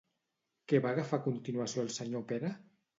Què va agafar a continuació el senyor Pere?